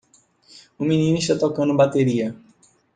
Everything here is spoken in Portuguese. O menino está tocando bateria.